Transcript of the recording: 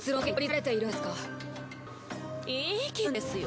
いい気分ですよ。